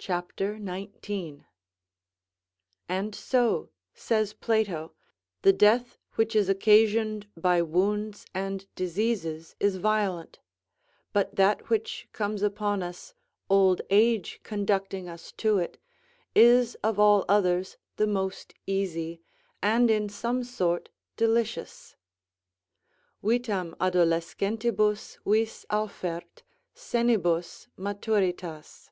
c. 19.] And so, says Plato, the death which is occasioned by wounds and diseases is violent; but that which comes upon us, old age conducting us to it, is of all others the most easy, and in some sort delicious: "Vitam adolescentibus vis aufert, senibus maturitas."